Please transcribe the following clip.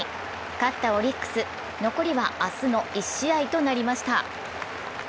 勝ったオリックス、残りは明日の１試合となりました。